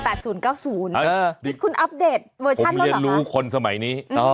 ผมเรียนรู้คนสมัยนี้